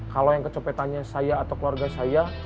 kalau kecopetan saya atau keluarga saya